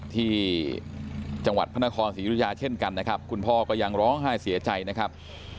ที่จังหวัดพระนครศรียุธยาเช่นกันนะครับคุณพ่อก็ยังร้องไห้เสียใจนะครับ